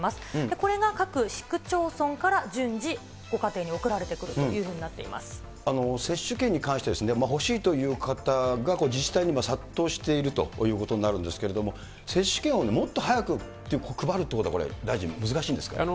これが各市区町村から順次、ご家庭に送られてくるというふう接種券に関してですね、欲しいという方が自治体に殺到しているということになるんですけれども、接種券をもっと早く配るということは、大臣、難しいんですか？